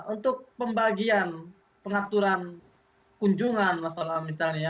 untuk pembagian pengaturan kunjungan masalah misalnya ya